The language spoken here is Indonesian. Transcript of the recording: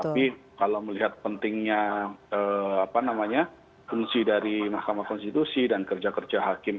tapi kalau melihat pentingnya apa namanya fungsi dari makamah konstitusi dan kerja kerja hakim mk